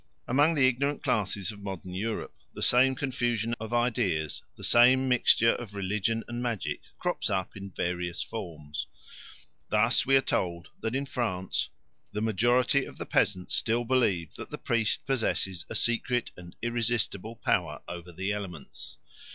Among the ignorant classes of modern Europe the same confusion of ideas, the same mixture of religion and magic, crops up in various forms. Thus we are told that in France "the majority of the peasants still believe that the priest possesses a secret and irresistible power over the elements.